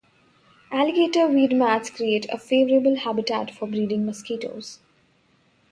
Alligator weed mats create a favorable habitat for breeding mosquitoes.